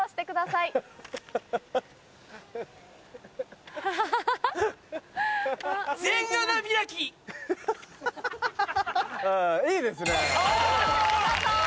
いいですよ